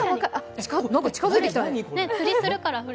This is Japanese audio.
なんか近づいてきたね。